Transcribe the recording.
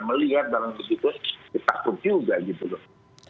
melihat dalam begitu takut juga gitu loh